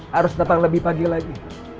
harus datang lebih pagi lagi